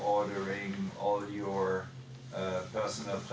semua fasilitas ini akan dihasilkan oleh program digitalisasi kru